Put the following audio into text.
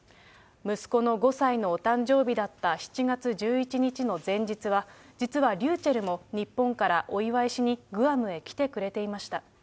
息子の５歳のお誕生日だった７月１１日の前日は、実はりゅうちぇるも日本からお祝いしにグアムへ来てくれていました。